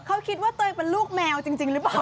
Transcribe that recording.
เขาคิดว่าตัวเองเป็นลูกแมวจริงหรือเปล่า